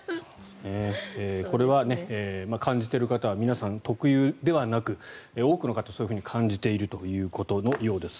これは感じている方は皆さん特有ではなく多くの方がそういうふうに感じているということのようです。